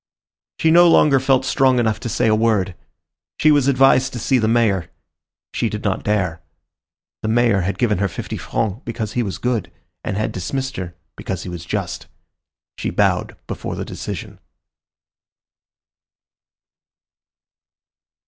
She no longer felt strong enough to say a word. She was advised to see the mayor; she did not dare. The mayor had given her fifty francs because he was good, and had dismissed her because he was just. She bowed before the decision.